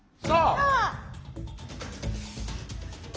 そう！